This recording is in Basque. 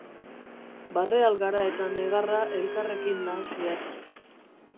Barre algara eta negarra elkarrekin nahasiak.